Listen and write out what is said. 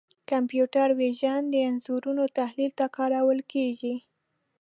کمپیوټر وژن د انځورونو تحلیل ته کارول کېږي.